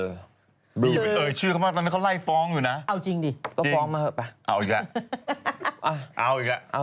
จริงเอ๊ยซึ่งคำนาญาตราแล้วเขาไล่ฟ้องอยู่นะ